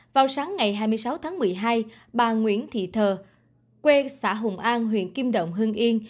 vào sáng ngày hai mươi sáu tháng một mươi hai bà nguyễn thị thờ quê xã hùng an huyện kim động hương yên